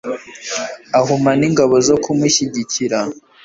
amuha n'ingabo zo kumushyigikira